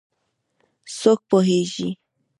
څوک پوهیږېي